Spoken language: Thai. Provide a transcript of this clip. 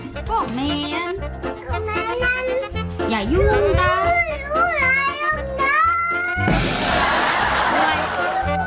กรอกแมนอย่ายุ่งก่อน